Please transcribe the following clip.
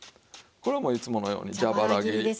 これはもういつものように蛇腹切り。